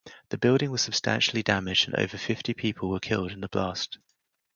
The building was substantially damaged and over fifty people were killed in the blast.